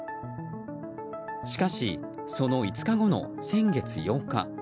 しかし、その５日後の先月８日。